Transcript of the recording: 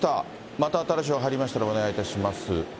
また新しい情報が入りましたら、お願いいたします。